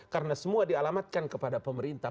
karena semua dialamatkan kepada pemerintah